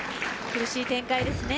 苦しい展開ですね。